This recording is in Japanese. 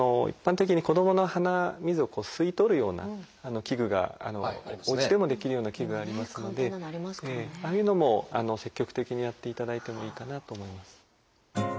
一般的に子どもの鼻水を吸い取るような器具がおうちでもできるような器具ありますのでああいうのも積極的にやっていただいてもいいかなと思います。